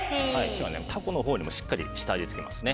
今日はタコのほうにもしっかりした味をつけますね。